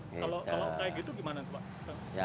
kalau kayak gitu gimana